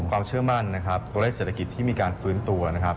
ความเชื่อมั่นตัวละยกเศรษฐกิจที่มีการฟื้นตัว